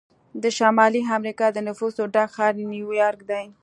د شمالي امریکا د نفوسو ډک ښار نیویارک دی.